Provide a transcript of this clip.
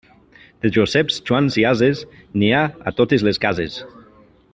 De Joseps, Joans i ases, n'hi ha a totes les cases.